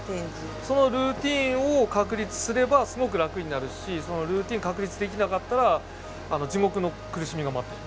そのルーティーンを確立すればすごく楽になるしそのルーティーン確立できなかったら地獄の苦しみが待っている。